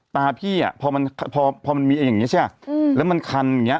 ตาพี่อ่ะพอมันพอมันมีอย่างนี้ใช่ป่ะแล้วมันคันอย่างเงี